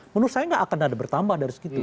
menurut saya nggak akan ada bertambah dari segitu